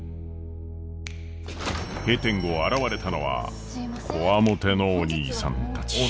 閉店後現れたのはこわもてのおにいさんたち。